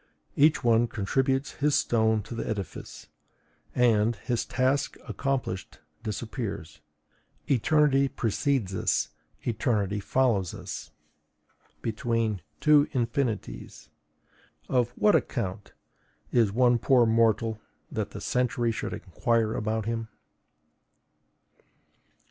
Each one contributes his stone to the edifice; and, his task accomplished, disappears. Eternity precedes us, eternity follows us: between two infinites, of what account is one poor mortal that the century should inquire about him?